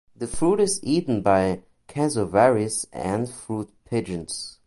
The fruit is eaten by cassowaries and fruit pigeons.